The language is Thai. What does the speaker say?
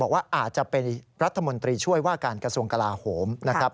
ว่าอาจจะเป็นรัฐมนตรีช่วยว่าการกระทรวงกลาโหมนะครับ